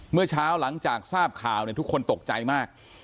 เมื่อเช้าหลังจากทราบข่าวทุกคนตกใจมาก